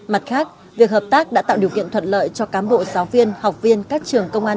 mặt khác việc hợp tác đã tạo điều kiện thuận lợi cho cám bộ giáo viên học viên các trường công an